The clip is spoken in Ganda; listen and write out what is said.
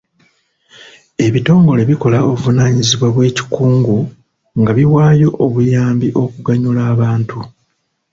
Ebitongole bikola obuvunaanyizibwa bw'ekikungu nga biwaayo obuyambi okuganyula abantu.